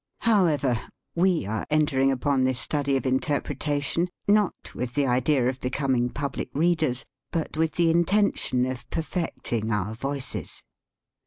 However, we are en tering upon this study of interpretation, not with the idea of becoming public readers, but with the intention of perfecting our voices.